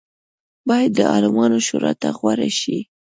باید د عالمانو شورا ته غوره شي.